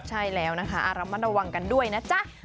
ใช่แล้วนะคะระมัดระวังกันด้วยนะจ๊ะ